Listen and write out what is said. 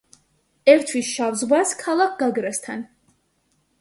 ერთვის შავ ზღვას ქალაქ გაგრასთან.